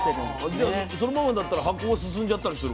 じゃあそのままだったら発酵が進んじゃったりするわけ？